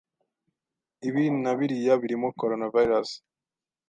ibi na biriya birimo coronavirus